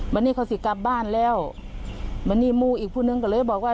วันนี้เขาสิกลับบ้านแล้ววันนี้มูอีกผู้นึงก็เลยบอกว่า